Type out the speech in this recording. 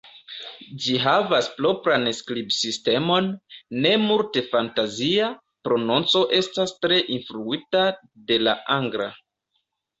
Ĝi havas propran skribsistemon, ne multe fantazia, prononco estas tre influita de la angla.